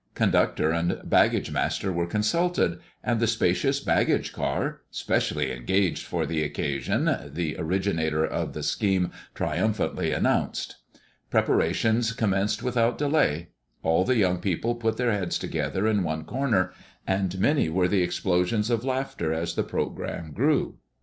Conductor and baggage master were consulted, and the spacious baggage car "specially engaged for the occasion," the originator of the scheme triumphantly announced. Preparations commenced without delay. All the young people put their heads together in one corner, and many were the explosions of laughter as the programme grew.